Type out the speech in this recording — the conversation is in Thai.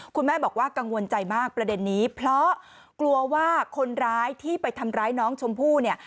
คุณแม่บอกว่ากังวลใจมากประเด็นนี้เพราะกลัวว่าคนร้ายที่ไปทำร้ายน้องชมพู่เนี่ย